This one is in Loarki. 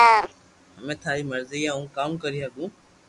ھمي ٿاري مرزي ھي ھون ڪاو ڪري ھگو